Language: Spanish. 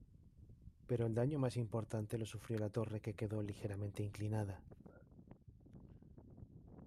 Pero el daño más importante lo sufrió la torre, que quedó ligeramente inclinada.